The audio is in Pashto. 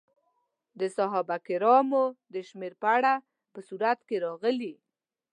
د صحابه کرامو د شمېر په اړه په سورت کې راغلي.